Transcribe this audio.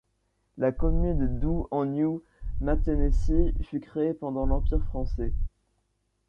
La commune d'Oud- en Nieuw-Mathenesse fut créée pendant l'Empire français.